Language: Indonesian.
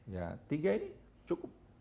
ya tiga ini cukup